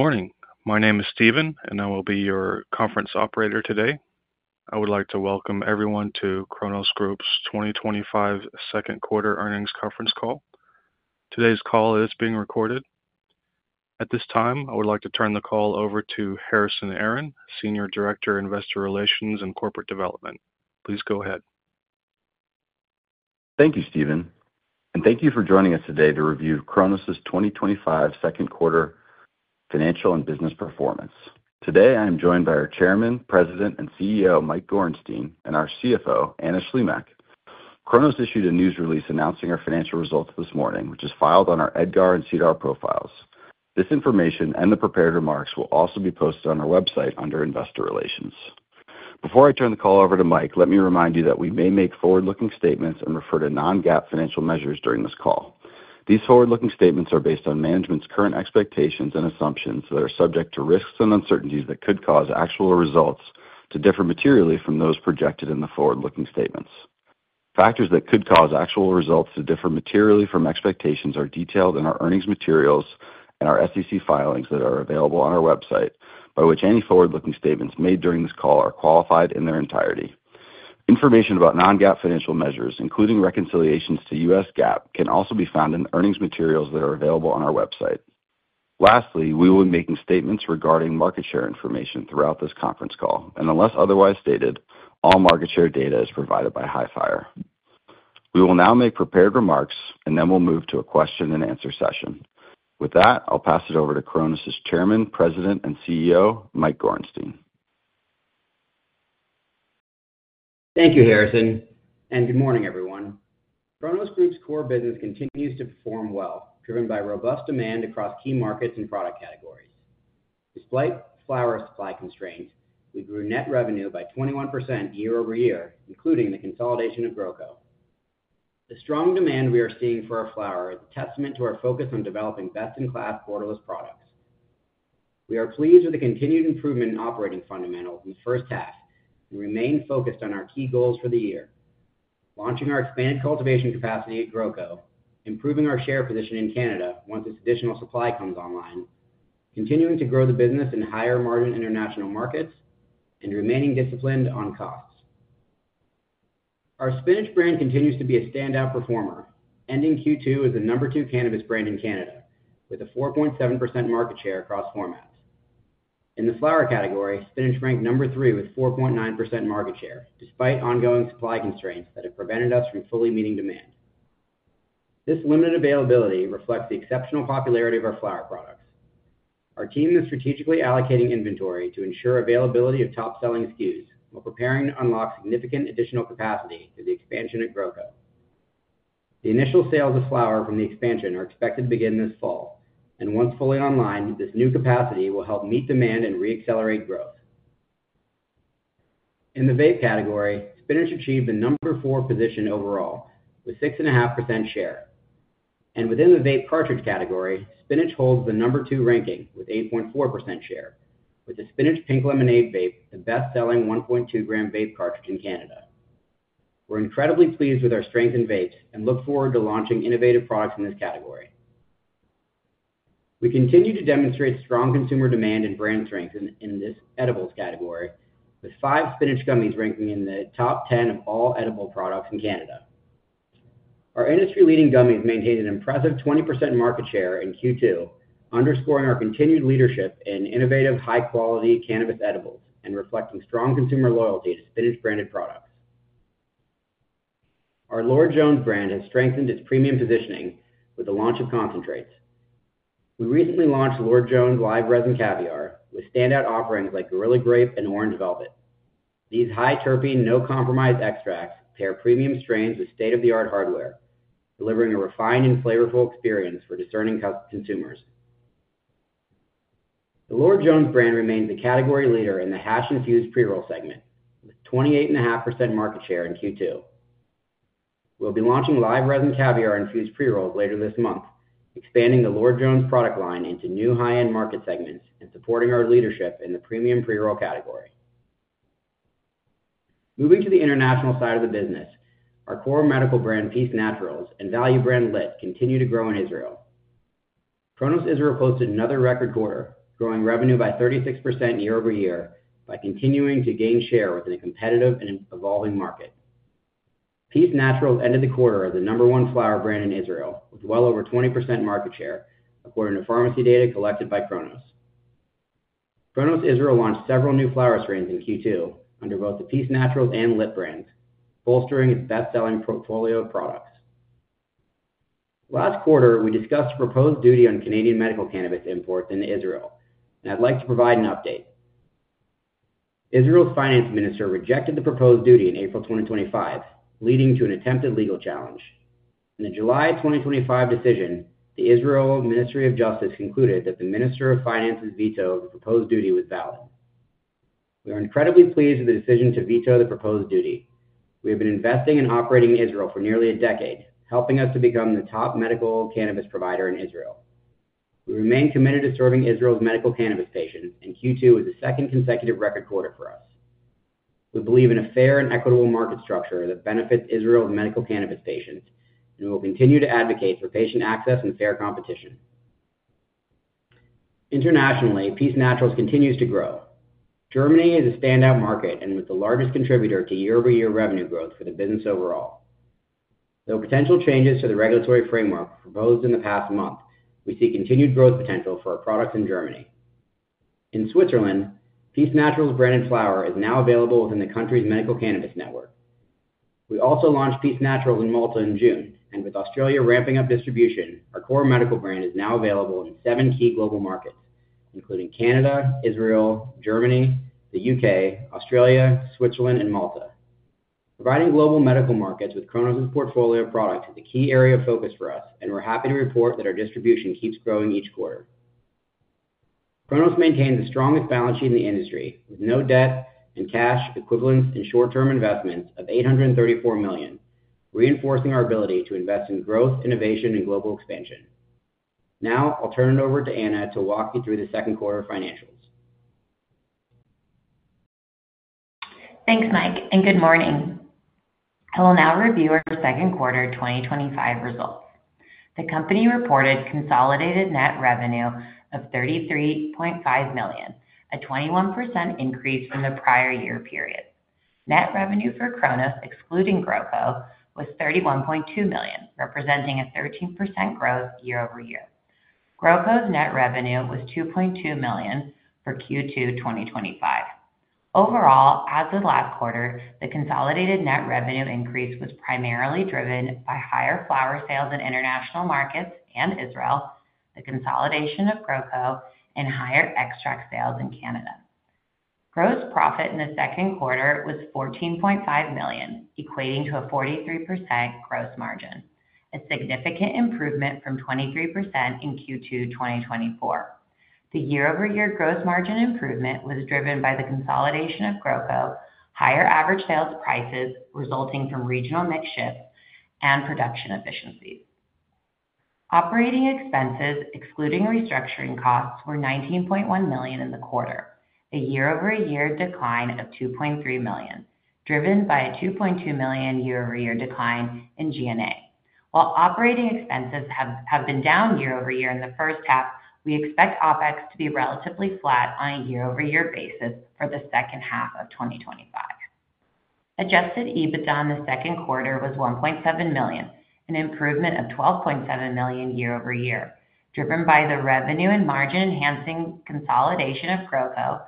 Good morning. My name is Steven, and I will be your conference operator today. I would like to welcome everyone to Cronos Group's 2025 Second Quarter Earnings Conference Call. Today's call is being recorded. At this time, I would like to turn the call over to Harrison Aaron, Senior Director, Investor Relations and Corporate Development. Please go ahead. Thank you, Steven, and thank you for joining us today to review Cronos Group's 2025 second quarter financial and business performance. Today, I am joined by our Chairman, President, and CEO, Mike Gorenstein, and our CFO, Anna Shlimak. Cronos issued a news release announcing our financial results this morning, which is filed on our EDGAR and SEDAR profiles. This information and the prepared remarks will also be posted on our website under Investor Relations. Before I turn the call over to Mike, let me remind you that we may make forward-looking statements and refer to non-GAAP financial measures during this call. These forward-looking statements are based on management's current expectations and assumptions that are subject to risks and uncertainties that could cause actual results to differ materially from those projected in the forward-looking statements. Factors that could cause actual results to differ materially from expectations are detailed in our earnings materials and our SEC filings that are available on our website, by which any forward-looking statements made during this call are qualified in their entirety. Information about non-GAAP financial measures, including reconciliations to U.S. GAAP, can also be found in earnings materials that are available on our website. Lastly, we will be making statements regarding market share information throughout this conference call, and unless otherwise stated, all market share data is provided by Highfire. We will now make prepared remarks, and then we'll move to a question and answer session. With that, I'll pass it over to Cronos's Chairman, President, and CEO, Mike Gorenstein. Thank you, Harrison, and good morning, everyone. Cronos Group's core business continues to perform well, driven by robust demand across key markets and product categories. Despite flower supply constraints, we grew net revenue by 21% year-over-year, including the consolidation of Groco. The strong demand we are seeing for our flower is a testament to our focus on developing best-in-class borderless products. We are pleased with the continued improvement in operating fundamentals in the first half and remain focused on our key goals for the year: launching our expanded cultivation capacity at Groco, improving our share position in Canada once this additional supply comes online, continuing to grow the business in higher margin international markets, and remaining disciplined on costs. Our Spinach brand continues to be a standout performer, ending Q2 as the number two cannabis brand in Canada, with a 4.7% market share across formats. In the flower category, Spinach ranked number three with 4.9% market share, despite ongoing supply constraints that have prevented us from fully meeting demand. This limited availability reflects the exceptional popularity of our flower product. Our team is strategically allocating inventory to ensure availability of top-selling SKUs while preparing to unlock significant additional capacity through the expansion at Groco. The initial sales of flower from the expansion are expected to begin this fall, and once fully online, this new capacity will help meet demand and re-accelerate growth. In the vape category, Spinach achieved the number four position overall, with 6.5% share, and within the vape cartridge category, Spinach holds the number two ranking with 8.4% share, with the Spinach Pink Lemonade vape the best-selling 1.2-gram vape cartridge in Canada. We're incredibly pleased with our strengths in vape and look forward to launching innovative products in this category. We continue to demonstrate strong consumer demand and brand strength in this edibles category, with five Spinach gummies ranking in the top 10 of all edible products in Canada. Our industry-leading gummies maintained an impressive 20% market share in Q2, underscoring our continued leadership in innovative, high-quality cannabis edibles and reflecting strong consumer loyalty to Spinach-branded products. Our Lord Jones brand has strengthened its premium positioning with the launch of concentrates. We recently launched Lord Jones Live Resin Caviar with standout offerings like Gorilla Grape and Orange Velvet. These high-terpene, no-compromise extracts pair premium strains with state-of-the-art hardware, delivering a refined and flavorful experience for discerning consumers. The Lord Jones brand remains the category leader in the hash-infused pre-roll segment, with 28.5% market share in Q2. We'll be launching Live Resin Caviar-infused pre-rolls later this month, expanding the Lord Jones product line into new high-end market segments and supporting our leadership in the premium pre-roll category. Moving to the international side of the business, our core medical brand Peace Naturals and value brand Lit continue to grow in Israel. Cronos Israel posted another record quarter, growing revenue by 36% year-over-year by continuing to gain share within a competitive and evolving market. Peace Naturals ended the quarter as the number one flower brand in Israel, with well over 20% market share, according to pharmacy data collected by Cronos. Cronos Israel launched several new flower strains in Q2 under both the Peace Naturals and Lit brands, bolstering its best-selling portfolio of products. Last quarter, we discussed the proposed duty on Canadian medical cannabis imports into Israel, and I'd like to provide an update. Israel's Finance Minister rejected the proposed duty in April 2025, leading to an attempted legal challenge. In the July 2025 decision, the Israeli Ministry of Justice concluded that the Minister of Finance's veto of the proposed duty was valid. We are incredibly pleased with the decision to veto the proposed duty. We have been investing and operating in Israel for nearly a decade, helping us to become the top medical cannabis provider in Israel. We remain committed to serving Israel's medical cannabis patients, and Q2 was the second consecutive record quarter for us. We believe in a fair and equitable market structure that benefits Israel's medical cannabis patients, and we will continue to advocate for patient access and fair competition. Internationally, Peace Naturals continues to grow. Germany is a standout market and the largest contributor to year-over-year revenue growth for the business overall. Though potential changes to the regulatory framework were proposed in the past month, we see continued growth potential for our products in Germany. In Switzerland, Peace Naturals branded flower is now available within the country's medical cannabis network. We also launched Peace Naturals in Malta in June, and with Australia ramping up distribution, our core medical brand is now available in seven key global markets, including Canada, Israel, Germany, the U.K., Australia, Switzerland, and Malta. Providing global medical markets with Cronos Group's portfolio of products is a key area of focus for us, and we're happy to report that our distribution keeps growing each quarter. Cronos maintains the strongest balance sheet in the industry, with no debt and cash equivalents in short-term investments of $834 million, reinforcing our ability to invest in growth, innovation, and global expansion. Now, I'll turn it over to Anna to walk you through the second quarter financials. Thanks, Mike, and good morning. I will now review our second quarter 2025 results. The company reported consolidated net revenue of $33.5 million, a 21% increase from the prior year period. Net revenue for Cronos, excluding Groco, was $31.2 million, representing a 13% growth year-over-year. Groco's net revenue was $2.2 million for Q2 2025. Overall, as of last quarter, the consolidated net revenue increase was primarily driven by higher flower sales in international markets and Israel, the consolidation of Groco, and higher extract sales in Canada. Gross profit in the second quarter was $14.5 million, equating to a 43% gross margin, a significant improvement from 23% in Q2 2024. The year-over-year gross margin improvement was driven by the consolidation of Groco, higher average sales prices resulting from regional mix shifts, and production efficiencies. Operating expenses, excluding restructuring costs, were $19.1 million in the quarter, a year-over-year decline of $2.3 million, driven by a $2.2 million year-over-year decline in G&A. While operating expenses have been down year-over-year in the first half, we expect OpEx to be relatively flat on a year-over-year basis for the second half of 2025. Adjusted EBITDA in the second quarter was $1.7 million, an improvement of $12.7 million year over year, driven by the revenue and margin-enhancing consolidation of Groco,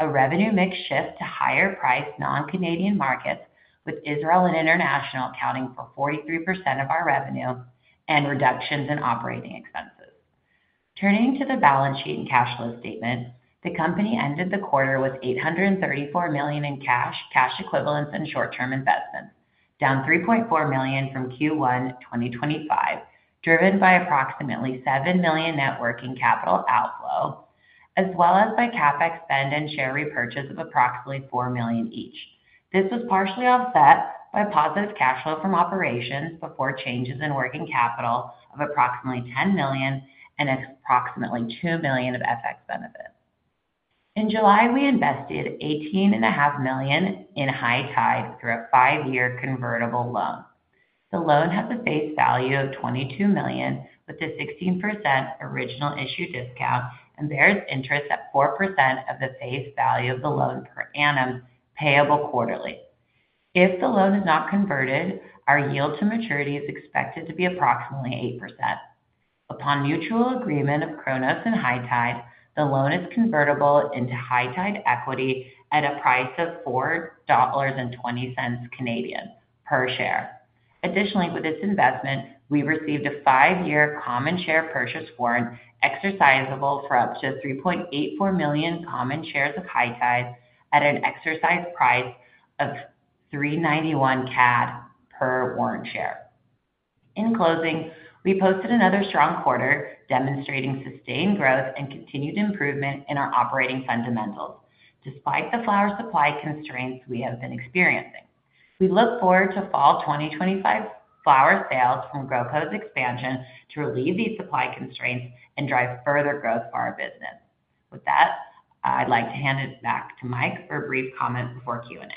a revenue mix shift to higher-priced non-Canadian markets, with Israel and international accounting for 43% of our revenue and reductions in operating expenses. Turning to the balance sheet and cash flow statements, the company ended the quarter with $834 million in cash, cash equivalents, and short-term investments, down $3.4 million from Q1 2025, driven by approximately $7 million net working capital outflow, as well as by CapEx spend and share repurchase of approximately $4 million each. This is partially offset by positive cash flow from operations before changes in working capital of approximately $10 million and approximately $2 million of FX benefits. In July, we invested $18.5 million in High Tide through a five-year convertible loan. The loan has a face value of $22 million with a 16% original issue discount and bears interest at 4% of the face value of the loan per annum payable quarterly. If the loan is not converted, our yield to maturity is expected to be approximately 8%. Upon mutual agreement of Cronos and High Tide, the loan is convertible into High Tide equity at a price of $4.20 Canadian per share. Additionally, with this investment, we received a five-year common share purchase warrant exercisable for up to 3.84 million common shares of High Tide at an exercise price of $391 Canadian per warrant share. In closing, we posted another strong quarter, demonstrating sustained growth and continued improvement in our operating fundamentals, despite the cannabis flower supply constraints we have been experiencing. We look forward to fall 2025 flower sales from Groco's expansion to relieve these supply constraints and drive further growth for our business. With that, I'd like to hand it back to Mike for a brief comment before Q&A.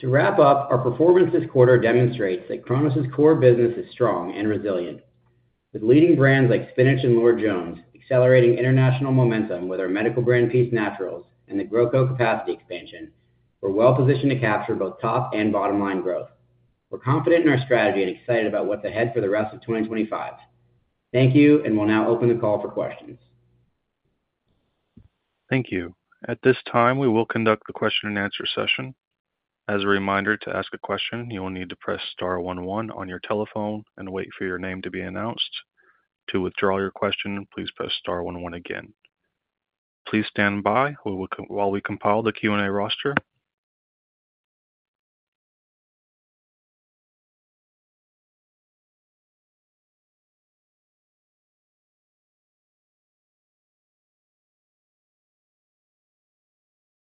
To wrap up, our performance this quarter demonstrates that Cronos' core business is strong and resilient. With leading brands like Spinach and Lord Jones, accelerating international momentum with our medical brand Peace Naturals, and the GrowCo capacity expansion, we're well-positioned to capture both top and bottom line growth. We're confident in our strategy and excited about what's ahead for the rest of 2025. Thank you, and we'll now open the call for questions. Thank you. At this time, we will conduct the question-and-answer session. As a reminder, to ask a question, you will need to press Star, one, one on your telephone and wait for your name to be announced. To withdraw your question, please press Star, one, one again. Please stand by while we compile the Q&A roster.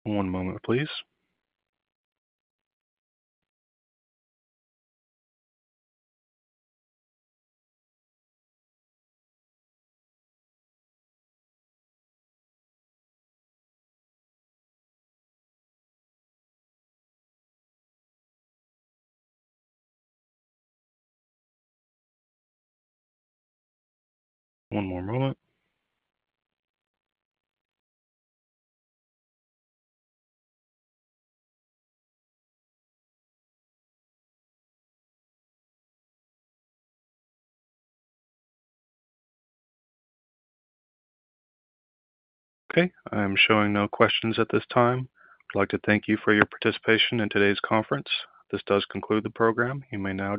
One moment, please. Okay, I am showing no questions at this time. I'd like to thank you for your participation in today's conference. This does conclude the program. You may now.